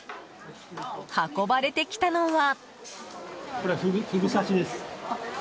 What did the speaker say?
運ばれてきたのは。